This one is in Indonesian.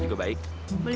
aku tak mau